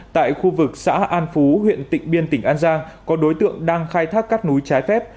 tại khu vực xã an phú huyện tịnh biên tỉnh an giang có đối tượng đang khai thác cát núi trái phép